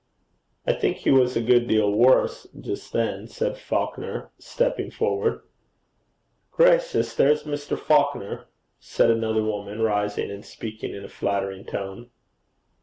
'I think he was a good deal worse just then,' said Falconer, stepping forward. 'Gracious! there's Mr. Falconer,' said another woman, rising, and speaking in a flattering tone.